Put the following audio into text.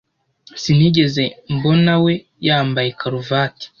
Sinigeze mbonawe yambaye karuvati.